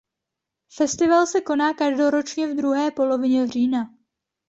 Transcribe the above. Festival se koná každoročně v druhé polovině října.